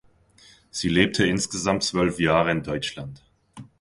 Sie lebte insgesamt zwölf Jahre in Deutschland.